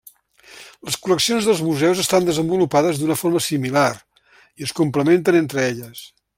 Les col·leccions dels museus estan desenvolupades d'una forma similar i es complementen entre elles.